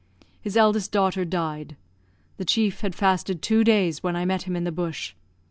His eldest daughter died. The chief had fasted two days when I met him in the bush.